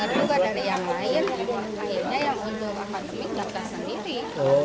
akhirnya yang untuk minta sendiri